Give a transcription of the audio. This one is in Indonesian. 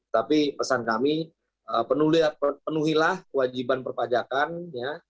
tapi pesan kami penuhilah kewajiban perpajakan ya